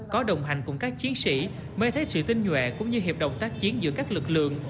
có đồng hành cùng các chiến sĩ mới thấy sự tinh nhuệ cũng như hiệp đồng tác chiến giữa các lực lượng